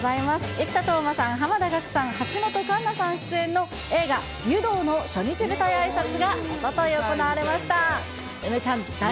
生田斗真さん、濱田岳さん、橋本環奈さん出演の映画、湯道の初日舞台あいさつがおととい、行われました。